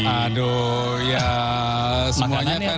aduh ya semuanya kan